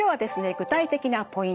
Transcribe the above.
具体的なポイント